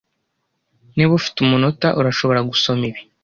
Niba ufite umunota, urashobora gusoma ibi.